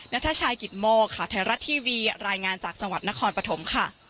นัทชายกิตโมข่าวไทยรัฐทีวีรายงานจากจังหวัดนครปฐมค่ะ